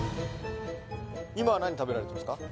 今は何食べられてますか？